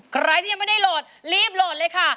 ใครที่ยังไม่ได้โหลดรีบโหลดเลยค่ะ